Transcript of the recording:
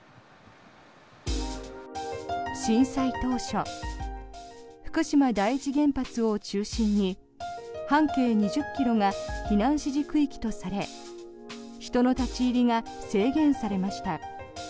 震災当初、福島第一原発を中心に半径２０ｋｍが避難指示区域とされ人の立ち入りが制限されました。